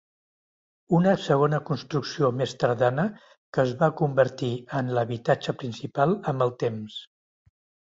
Una segona construcció més tardana que es va convertir en l'habitatge principal amb el temps.